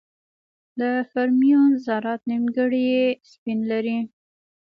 د فرمیون ذرات نیمګړي سپین لري.